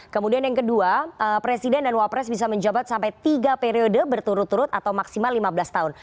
kemudian yang kedua presiden dan wapres bisa menjabat sampai tiga periode berturut turut atau maksimal lima belas tahun